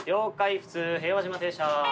普通平和島停車。